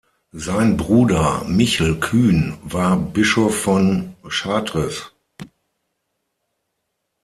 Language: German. Sein Bruder Michel Kuehn war Bischof von Chartres.